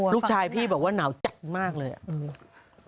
ลูกชายพี่บอกว่าหนาวจัดมากเลยอ่ะอืม